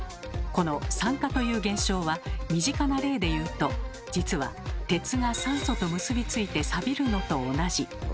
この酸化という現象は身近な例でいうと実は鉄が酸素と結びついてサビるのと同じ。